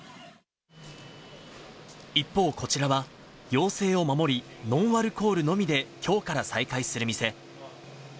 一方、こちらは要請を守り、ノンアルコールのみできょうから再開する店。